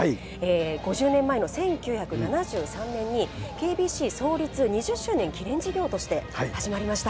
５０年前の１９７３年にＫＢＣ創立２０周年記念事業として始まりました。